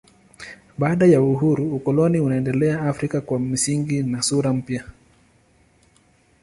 Baada ya uhuru ukoloni unaendelea Afrika kwa misingi na sura mpya.